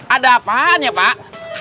ada apaannya pak